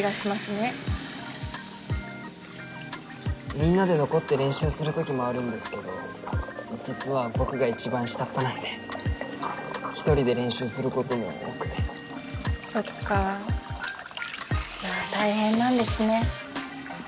みんなで残って練習する時もあるんですけど実は僕が一番下っ端なんで１人で練習することも多くてそっか大変なんですね